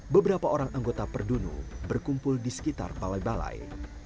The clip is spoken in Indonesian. beberapa orang anggota perdunu berkumpul di sekitar balai balai